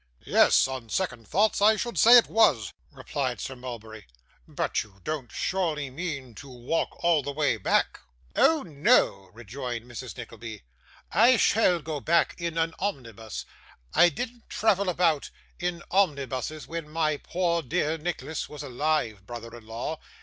'Yes, on second thoughts I should say it was,' replied Sir Mulberry. 'But you don't surely mean to walk all the way back?' 'Oh, no,' rejoined Mrs. Nickleby. 'I shall go back in an omnibus. I didn't travel about in omnibuses, when my poor dear Nicholas was alive, brother in law.